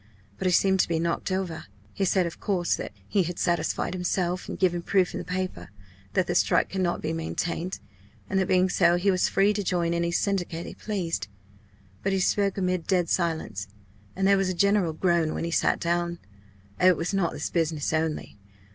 But he seemed to be knocked over. He said, of course, that he had satisfied himself, and given proof in the paper, that the strike could not be maintained, and that being so he was free to join any syndicate he pleased. But he spoke amid dead silence, and there was a general groan when he sat down. Oh, it was not this business only!